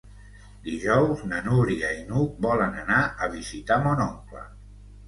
Dijous na Núria i n'Hug volen anar a visitar mon oncle.